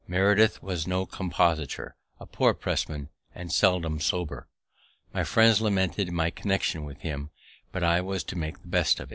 Meredith was no compositor, a poor pressman, and seldom sober. My friends lamented my connection with him, but I was to make the best of it.